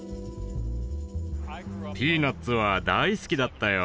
「ピーナッツ」は大好きだったよ。